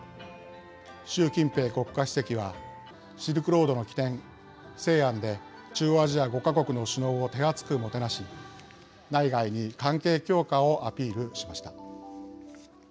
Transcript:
習近平国家主席はシルクロードの起点、西安で中央アジア５か国の首脳を手厚くもてなし内外に関係強化をアピールしました。